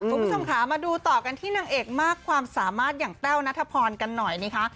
คุณผู้ชมค่ะมาดูต่อกันที่นางเอกมากความสามารถอย่างแต้วนัทพรกันหน่อยนะคะ